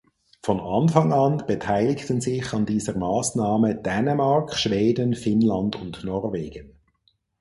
Von Anfang an beteiligten sich an dieser Maßnahme Dänemark, Schweden, Finnland und Norwegen.